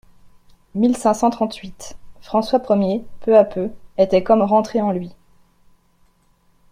mille cinq cent trente-huit.) François Ier, peu à peu, était comme rentré en lui.